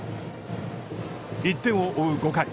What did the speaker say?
１点を追う５回。